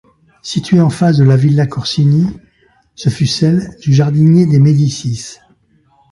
Située en face de la Villa Corsini, ce fut celle du jardinier des Médicis.